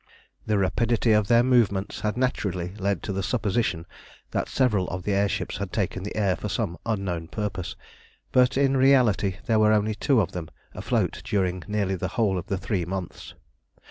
The rapidity of their movements had naturally led to the supposition that several of the air ships had taken the air for some unknown purpose, but in reality there were only two of them afloat during nearly the whole of the three mouths.